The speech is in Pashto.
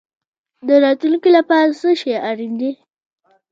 د راتلونکي لپاره څه شی اړین دی؟